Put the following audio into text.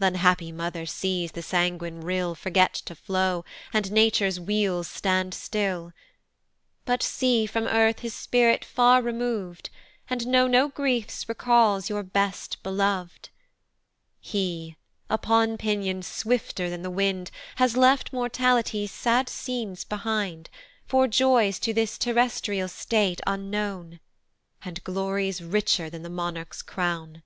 Th' unhappy mother sees the sanguine rill Forget to flow, and nature's wheels stand still, But see from earth his spirit far remov'd, And know no grief recals your best belov'd: He, upon pinions swifter than the wind, Has left mortality's sad scenes behind For joys to this terrestial state unknown, And glories richer than the monarch's crown.